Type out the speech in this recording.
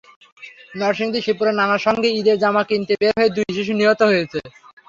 নরসিংদীর শিবপুরে নানার সঙ্গে ঈদের জামা কিনতে বের হয়ে দুই শিশু নিহত হয়েছে।